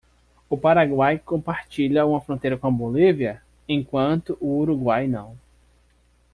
O Paraguai compartilha uma fronteira com a Bolívia?, enquanto o Uruguai não.